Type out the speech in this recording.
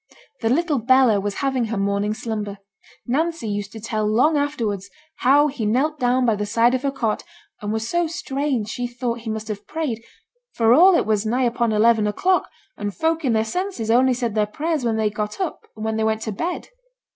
The little Bella was having her morning slumber; Nancy used to tell long afterwards how he knelt down by the side of her cot, and was so strange she thought he must have prayed, for all it was nigh upon eleven o'clock, and folk in their senses only said their prayers when they got up, and when they went to bed.